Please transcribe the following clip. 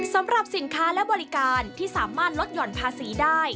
สำหรับสินค้าและบริการที่สามารถลดหย่อนภาษีได้